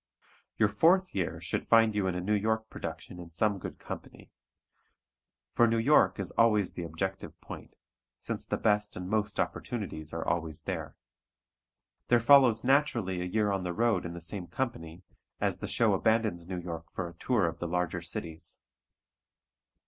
Your fourth year should find you in a New York production in some good company. For New York is always the objective point, since the best and most opportunities are always there. There follows naturally a year on the road in the same company, as the show abandons New York for a tour of the larger cities.